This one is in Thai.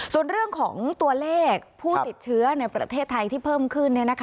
ส่วนเรื่องของตัวเลขผู้ติดเชื้อในประเทศไทยที่เพิ่มขึ้น